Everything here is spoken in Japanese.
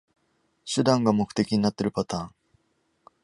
手段が目的になってるパターン